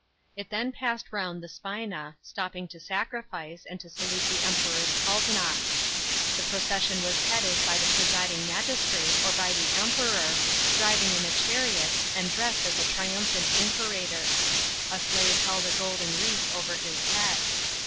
It then passed round the spina, stopping to sacrifice, and to salute the Emperor's pulvinar. The procession was headed by the presiding magistrate or by the Emperor, driving in a chariot, and dressed as a triumphant imperafor ; a slave held a golden wreath over his head.